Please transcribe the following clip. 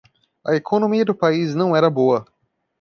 A economia do país não era boa.